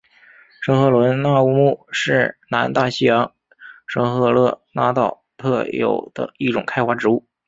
圣赫伦那乌木是南大西洋圣赫勒拿岛特有的一种开花植物。